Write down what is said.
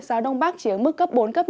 giáo đông bắc chỉ ở mức cấp bốn năm